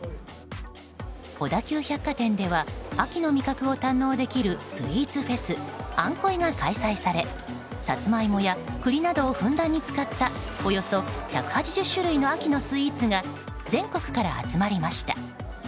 小田急百貨店では秋の味覚を堪能できるスイーツフェス餡恋が開催されサツマイモや栗などをふんだんに使ったおよそ１８０種類の秋のスイーツが全国から集まりました。